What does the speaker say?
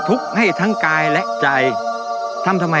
ตัดคู่แข่งไปแล้วหนึ่งคนสินะ